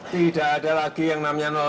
tidak adalah satu satunya